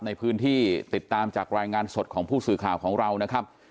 ในพื้นที่ติดตามจากรายงานสดของผู้สื่อข่าวของเรานะครับ